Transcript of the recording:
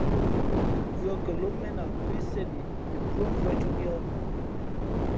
Mvʉ̄ᾱ kαlóm mēn a pí sēn i tα pʉ́άmvʉ̄ᾱ cōb yα̌h.